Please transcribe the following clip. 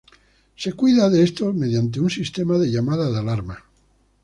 Se cuida de estos mediante un sistema de llamado de alarma.